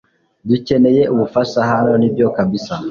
Dukeneye ubufasha hano nibyo kabisa